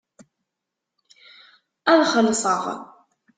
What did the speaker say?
Ad xellṣeɣ.